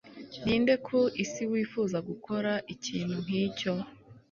ninde ku isi wifuza gukora ikintu nkicyo